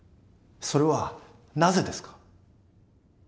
それはなぜですか？